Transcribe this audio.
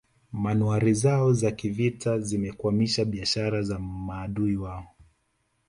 Manowari zao za kivita zilikwamisha biashara za maadui wao